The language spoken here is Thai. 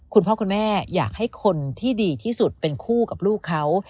คุณพ่อคุณแม่อยากให้คนที่ดีที่สุดเป็นคู่กับลูกเขา